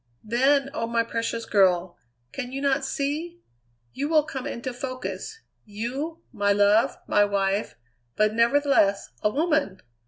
"Then oh! my precious girl! Can you not see? You will come into focus. You, my love, my wife, but, nevertheless, a woman!